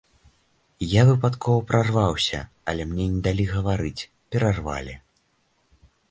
Я выпадкова прарваўся, але мне не далі гаварыць, перарвалі.